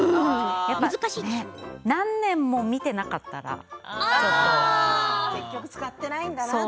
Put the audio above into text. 何年も見ていなかったら結局使っていないんだなと。